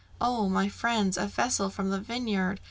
Oh, my friends, a vessel from the Vineyard!